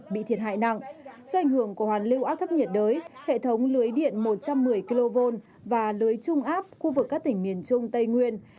bị thiệt hại nặng do ảnh hưởng của hoàn lưu áp thấp nhiệt đới hệ thống lưới điện một trăm một mươi kv và lưới trung áp khu vực các tỉnh miền trung tây nguyên